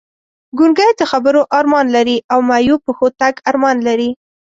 ګونګی د خبرو ارمان لري او معیوب پښو تګ ارمان لري!